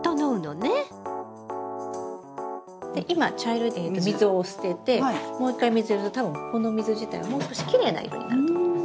で今茶色い水を捨ててもう一回水やると多分この水自体はもう少しきれいな色になると思います。